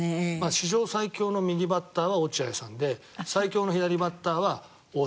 史上最強の右バッターは落合さんで最強の左バッターは王さんです。